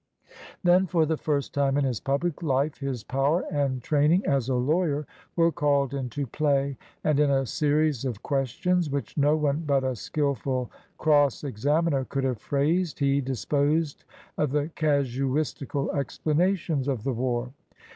Then for the first time in his public life his power and training as a lawj^er were called into play, and in a series of questions which no one but a skilful cross examiner could have phrased he dis posed of the casuistical explanations of the war.